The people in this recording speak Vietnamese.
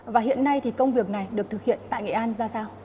và hiện nay thì công việc này được thực hiện tại nghệ an ra sao